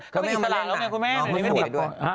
เขาไม่เอามาเล่นล่ะ